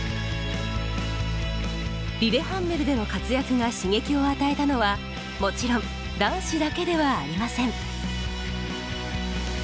リレハンメルでの活躍が刺激を与えたのはもちろん男子だけではありません。